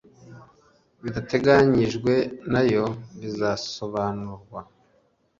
bidateganyijwe nayo bizasobanurwa